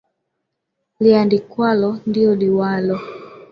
Liandikwalo ndiyo liwalo